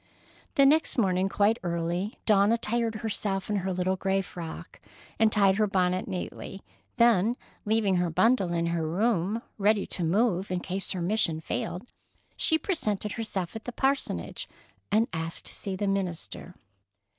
The next morning quite early, Dawn attired herself in her little gray frock and tied her bonnet neatly, then, leaving her bundle in her room, ready to move in case her mission failed, she presented herself at the parsonage and asked to see the minister.